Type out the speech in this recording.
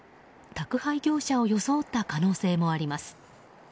宅配業者を装った可能性もあります。